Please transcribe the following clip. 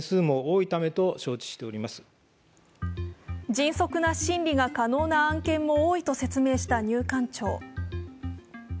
迅速な審理が可能な案件も多いと説明した入管庁。